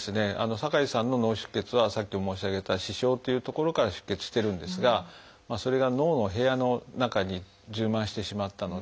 酒井さんの脳出血はさっき申し上げた視床という所から出血してるんですがそれが脳の部屋の中に充満してしまったので。